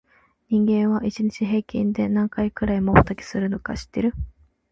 人間は、一日に平均で何回くらいまばたきをするか知ってる？